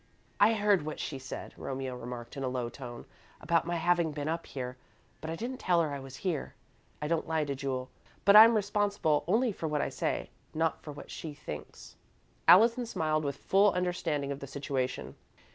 "I heard what she said," Romeo remarked, in a low tone, "about my having been up here, but I didn't tell her I was here. I don't lie to Jule, but I'm responsible only for what I say, not for what she thinks." Allison smiled with full understanding of the situation.